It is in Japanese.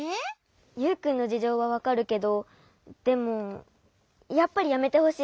ユウくんのじじょうはわかるけどでもやっぱりやめてほしい。